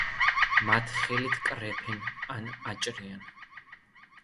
მათ ხელით კრეფენ ან აჭრიან.